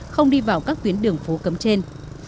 không đi vào các tuyến đường phố cấm trên